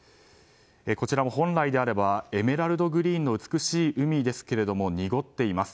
こちらも本来であればエメラルドグリーンの美しい海ですけれども濁っています。